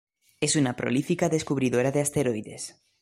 Es una prolífica descubridora de asteroides.